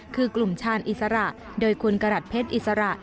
คือกลุ่มชาญอิสระโดยคุณกรัฐเพชรอิสระ